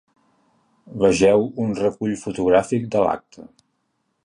Vegeu un recull fotogràfic de l’acte.